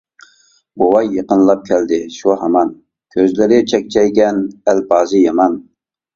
بوۋاي يېقىنلاپ كەلدى شۇ ھامان، كۆزلىرى چەكچەيگەن ئەلپازى يامان.